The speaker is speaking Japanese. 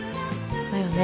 だよね？